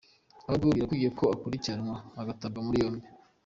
Ahubwo birakwiye ko akurikiranwa agatabwa muri yombi.